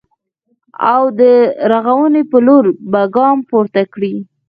او د رغونې په لور به ګام پورته کړي